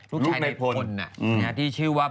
ลูกชายในพลที่ชื่อว่า